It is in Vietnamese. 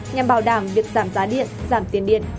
nhằm bảo đảm việc giảm giá điện giảm tiền điện